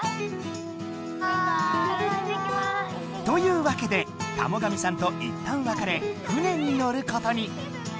というわけで田母神さんといったんわかれ船に乗ることに！